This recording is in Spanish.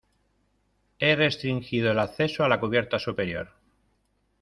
he restringido el acceso a la cubierta superior